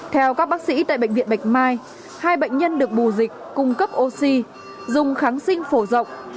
theo các bác sĩ tại bệnh viện bạch mai hai bệnh nhân được bù dịch cung cấp oxy dùng kháng sinh phổ rộng